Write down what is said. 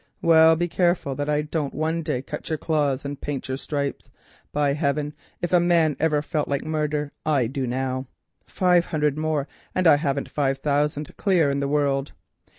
"Well, be careful that I don't one day cut your claws and paint your stripes. By heaven, if ever a man felt like murder, I do now. Five hundred more, and I haven't five thousand clear in the world.